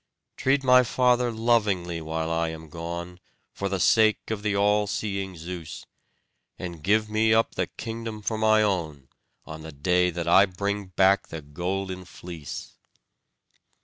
Treat my father lovingly while I am gone, for the sake of the all seeing Zeus; and give me up the kingdom for my own, on the day that I bring back the golden fleece."